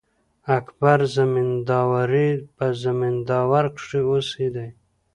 اکبر زمینداوری په زمینداور کښي اوسېدﺉ.